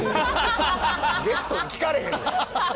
ゲストに聞かれへんわ。